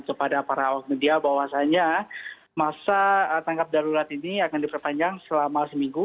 kepada para awak media bahwasannya masa tangkap darurat ini akan diperpanjang selama seminggu